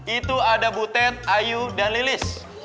itu ada butet ayu dan lilis